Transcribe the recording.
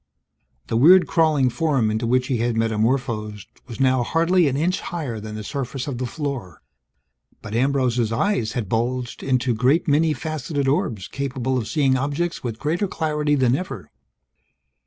The weird crawling form into which he had metamorphosed was now hardly an inch higher than the surface of the floor. But Ambrose's eyes had bulged into great many faceted orbs capable of seeing objects with greater clarity than ever.